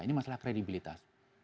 ini masalah kredibilitas